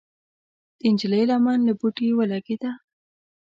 د نجلۍ لمن له بوټي ولګېده.